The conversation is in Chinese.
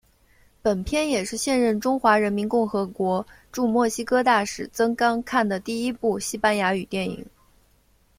本片也是现任中华人民共和国驻墨西哥大使曾钢看的第一部西班牙语电影。